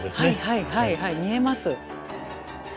はいはいはい見えます。